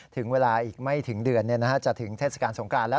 ถึงเวลาอีกไม่ถึงเดือนจะถึงเทศกาลสงครานแล้ว